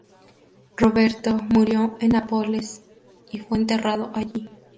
Roberto Murió en Nápoles y fue enterrado allí.